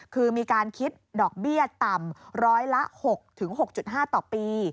คือมีการคิดดอกเบี้ยต่ำร้อยละ๖๖๕ต่อปี